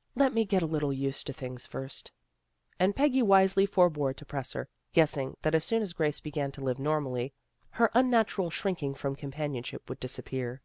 " Let me get a little used to things first." And Peggy wisely forbore to press her, guessing that as soon as Grace began to live normally her unnatural shrinking from companionship would disappear.